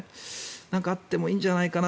なんかあってもいいんじゃないかな。